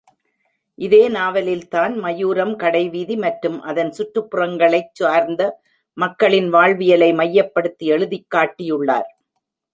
இதே நாவலில் தான் மாயூரம் கடைவீதி மற்றும் அதன் கற்றுப்புறங்களைச் சார்ந்த மக்களின் வாழ்வியலை மையப்படுத்தி எழுதிக்காட்டியுள்ளார்.